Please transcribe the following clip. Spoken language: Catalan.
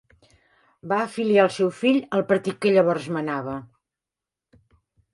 Va afiliar el seu fill al partit que llavors manava.